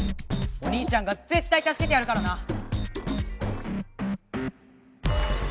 お兄ちゃんがぜったいたすけてやるからな！